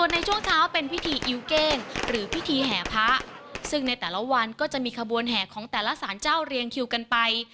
ในช่วงเช้าเป็นพิธีอิวเก้งหรือพิธีแห่พระซึ่งในแต่ละวันก็จะมีขบวนแห่ของแต่ละสารเจ้าเรียงคิวกันไป